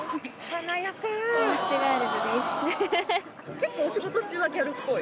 結構お仕事中はギャルっぽい？